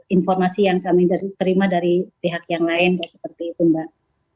informasi yang kami terima dari pihak yang lain seperti itu mbak